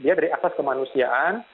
dia dari atas kemanusiaan